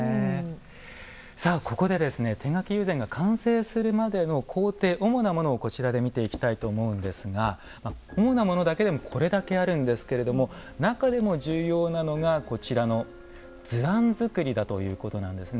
さあここで手描き友禅が完成するまでの工程、主なものをこちらで見ていきたいと思うんですが主なものだけでもこれだけあるんですけれども中でも重要なのがこちらの図案作りだということなんですね。